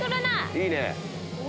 いいね！